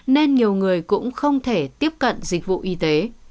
nên nhiều người cũng không thể tiếp cận dịch vụ y tế